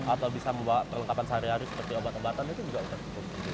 atau bisa membawa perlengkapan sehari hari seperti obat obatan itu juga tertutup